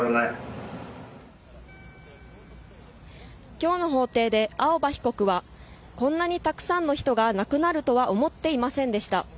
今日の法廷で青葉被告はこんなにたくさんの人が亡くなるとは思っていませんでした。